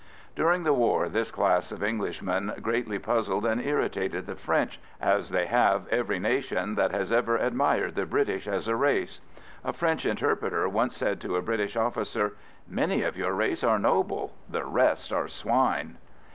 During the war this class of Englishmen greatly puzzled and irritated the French, as they have every nation that has ever admired the British as a race. A French interpreter once said to a British officer, "Many of your race are noble, the rest are swine."